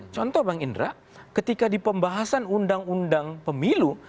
contoh bang indra ketika di pembahasan undang undang pemilu